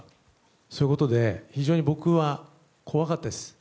そういうことで非常に僕は怖かったです。